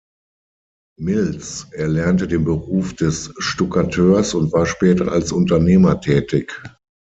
Milz erlernte den Beruf des Stuckateurs und war später als Unternehmer tätig.